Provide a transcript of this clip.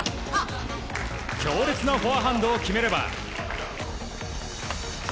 強烈なフォアハンドを決めれば。